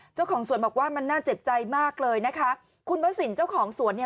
เจ้าของสวนบอกว่ามันน่าเจ็บใจมากเลยนะคะคุณวสินเจ้าของสวนเนี่ย